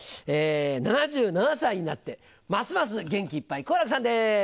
７７歳になってますます元気いっぱい好楽さんです！